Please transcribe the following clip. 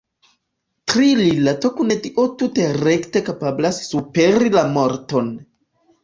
Tia rilato kun Dio tute rekte kapablas superi la morton.